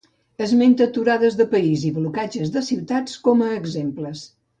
Esmenta aturades de país i blocatges de ciutats com a exemples.